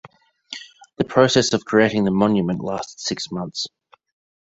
The process of creating the monument lasted six months.